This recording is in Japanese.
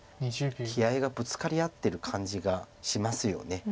気合いがぶつかり合ってる感じがしますよね。